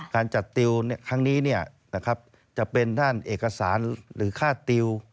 การจัดติวครั้งนี้จะเป็นด้านเอกสารหรือค่าติว